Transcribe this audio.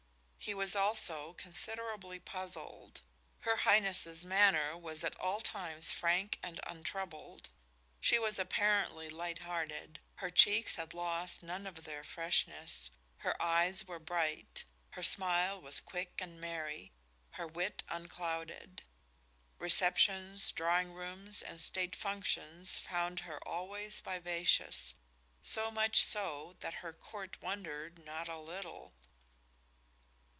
He was, also, considerably puzzled. Her Highness's manner was at all times frank and untroubled. She was apparently light hearted; her cheeks had lost none of their freshness; her eyes were bright; her smile was quick and merry; her wit unclouded. Receptions, drawing rooms and state functions found her always vivacious, so much so that her Court wondered not a little.